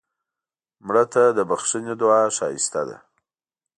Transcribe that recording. مړه ته د بښنې دعا ښایسته ده